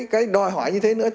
cái đòi hỏi như thế nữa